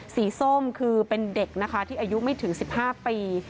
ส้มคือเป็นเด็กนะคะที่อายุไม่ถึง๑๕ปี